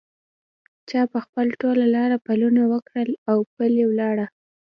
چا په ټول لاره پلونه وکرل اوپلي ولاړه